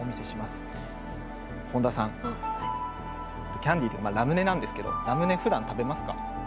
キャンディーっていうかまあラムネなんですけどラムネふだん食べますか？